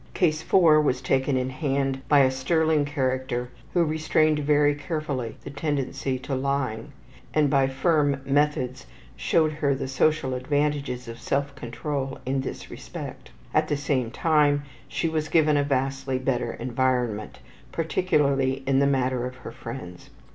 Case 4 was taken in hand by a sterling character who restrained very carefully the tendency to lying, and by firm methods showed her the social advantages of self control in this respect. At the same time she was given a vastly better environment, particularly in the matter of her friends.